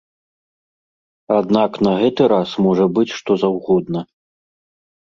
Аднак на гэты раз можа быць што заўгодна.